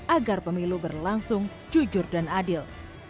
agar pemilu berlangsung jujur dan adil